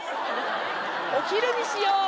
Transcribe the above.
お昼にしよう